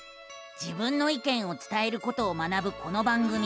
自分の意見を伝えることを学ぶこの番組。